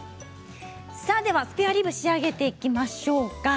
では、スペアリブを仕上げていきましょうか。